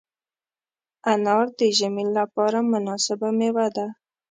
انار د ژمي لپاره مناسبه مېوه ده.